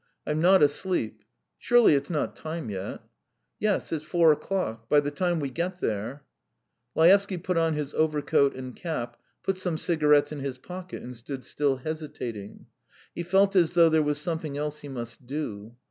"I'm not asleep. Surely it's not time yet?" "Yes, it's four o'clock. By the time we get there ...." Laevsky put on his overcoat and cap, put some cigarettes in his pocket, and stood still hesitating. He felt as though there was something else he must do.